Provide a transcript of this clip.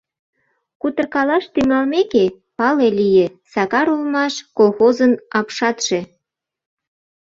Кутыркалаш тӱҥалмеке, пале лие: Сакар улмаш, колхозын апшатше.